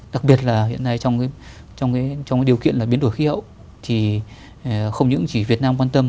đặc biệt là hiện nay trong điều kiện là biến đổi khí hậu thì không những chỉ việt nam quan tâm